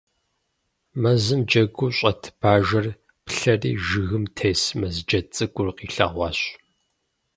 Мэзым джэгуу щӀэт Бажэр плъэри жыгым тес, Мэз джэд цӀыкӀур къилъэгъуащ.